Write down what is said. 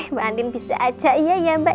mbak andin bisa aja ya mbak